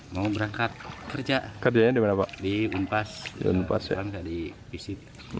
mau berangkat kerja di umpas di pisi